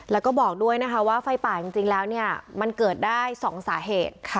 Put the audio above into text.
แล้วก็บอกด้วยนะคะว่าไฟป่าจริงแล้วมันเกิดได้๒สาเหตุ